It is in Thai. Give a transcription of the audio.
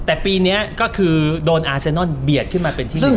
แต่ปีนี้ก็คือโดนอาเซนอนเบียดขึ้นมาเป็นที่๑